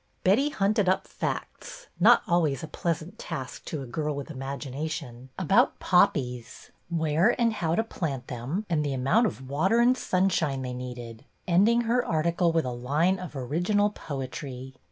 Betty hunted up facts — not always a pleasant task to a girl with imagination — about poppies, where and how to plant them, and the amount of water and sunshine they needed, ending her article with a line of original poetry.